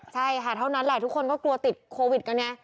ใช่ค่ะเท่านั้นแหละทุกคนก็กลัวติดโควิดกันไง